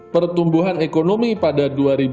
pertumbuhan ekonomi pada dua ribu lima belas